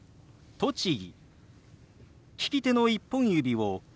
「栃木」。